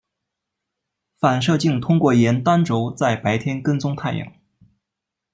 反射镜通过沿单轴在白天跟踪太阳。